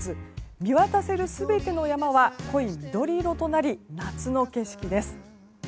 見渡せる全ての山は濃い緑色となり夏の景色です。